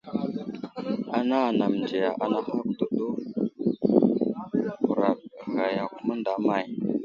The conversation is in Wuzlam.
Ana anaŋ məndiya anahakw dəɗu, huraɗ ghay yakw mənday əmay !